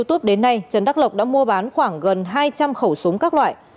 trần đắc lộc đã mua bán khoảng gần hai trăm linh khẩu súng các loại